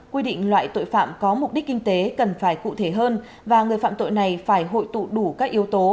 quy định loại tội phạm có mục đích kinh tế cần phải cụ thể hơn và người phạm tội này phải hội tụ đủ các yếu tố